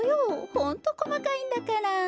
ホントこまかいんだから。